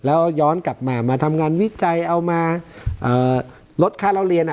แล้วย้อนกลับมามาทำงานวิจัยเอามาลดค่าเล่าเรียน